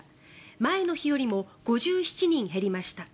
前の日よりも５７人減りました。